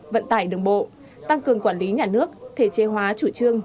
vận tải đường bộ tăng cường quản lý nhà nước thể chế hóa chủ trương